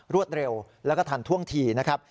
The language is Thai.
รวดเร็วแล้วก็ทันท่วงทีนะครับ